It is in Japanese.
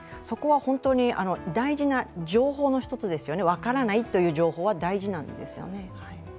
そこは非常に大事な情報の一つですよね、「分からない」という情報は大事なんですよね。